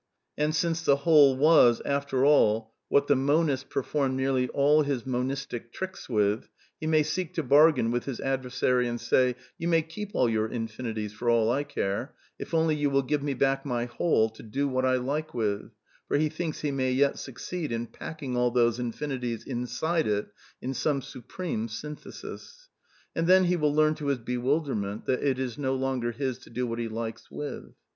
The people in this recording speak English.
And since the Whole was, after all, what the monist performed nearly all his monistic tricks with, he may seek to bargain with his adversary and say : You may keep all your infinities, for all I care, if only you will give me back my Whole to do what I like with (for he thinks he may yet succeed in packing all those infinities inside it in some supreme synthesis). And then he will learn to his bewilderment that it is no longer his to do what he likes with.